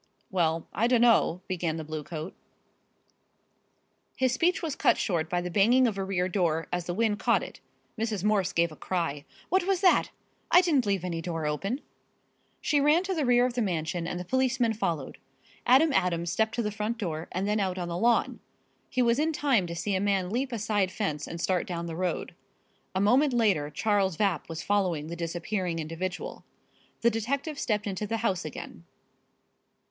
"Well, I dunno " began the bluecoat. His speech was cut short by the banging of a rear door, as the wind caught it. Mrs. Morse gave a cry. "What was that? I didn't leave any door open!" She ran to the rear of the mansion and the policeman followed. Adam Adams stepped to the front door and then out on the lawn. He was in time to see a man leap a side fence and start down the road. A moment later Charles Vapp was following the disappearing individual. The detective stepped into the house again.